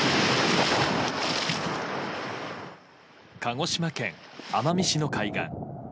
鹿児島県奄美市の海岸。